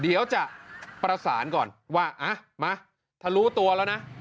เดี๋ยวจะประสานก่อนว่ามาถ้ารู้ตัวแล้วนะ